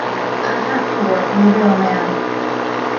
I have to work with a real man.